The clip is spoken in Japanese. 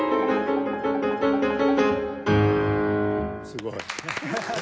すごい。